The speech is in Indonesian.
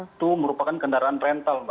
itu merupakan kendaraan rental